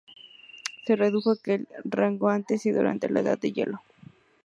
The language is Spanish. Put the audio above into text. Se redujo aquel rango antes y durante la edad de hielo.